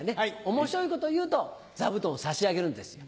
面白いこと言うと座布団を差し上げるんですよ。